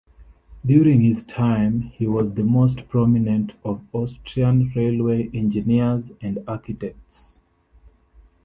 During his time, he was the most prominent of Austrian railway engineers and architects.